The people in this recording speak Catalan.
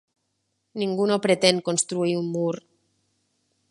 Ningú no pretén construir un mur.